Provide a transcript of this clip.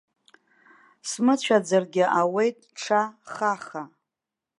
Смыцәаӡаргьы ауеит ҽа хаха.